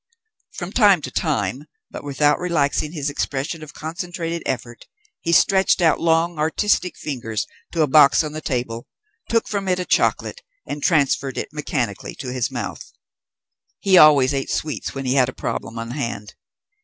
From time to time, but without relaxing his expression of concentrated effort, he stretched out long artistic fingers to a box on the table, took from it a chocolate, and transferred it mechanically to his mouth. He always ate sweets when he had a problem on hand.